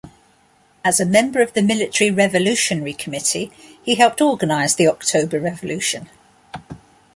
As a member of the Military Revolutionary Committee he helped organize the October Revolution.